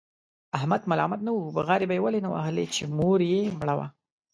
احمد ملامت نه و، بغارې به یې ولې نه وهلې؛ مور یې مړه وه.